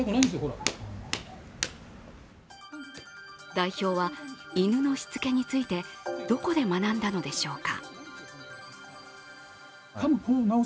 代表は、犬のしつけについてどこで学んだのでしょうか？